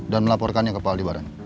dan melaporkannya ke pak alibaran